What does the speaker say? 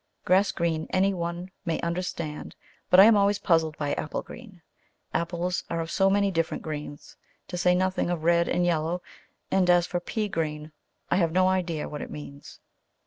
Grass green any one may understand, but I am always puzzled by apple green. Apples are of so many different greens, to say nothing of red and yellow; and as for pea green, I have no idea what it means.